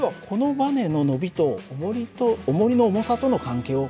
ばねの伸びとおもりの重さの関係を